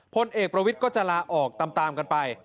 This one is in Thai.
พลเอกประวิทย์ก็จะลาออกตามกันไป